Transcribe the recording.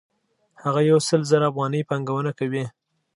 هغه یو سل زره افغانۍ پانګونه کوي